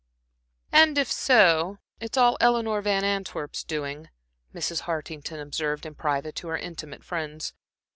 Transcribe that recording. "And, if so, it's all Eleanor Van Antwerp's doing," Mrs. Hartington observed in private to her intimate friends.